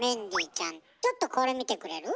ちょっとこれ見てくれる？